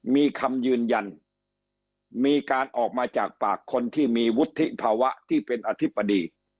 มีคำยืนยันมีการออกมาจากปากคนที่มีวุฒิภาวะที่เป็นอธิบดี